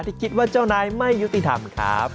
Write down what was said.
ที่คิดว่าเจ้านายไม่ยุติธรรมครับ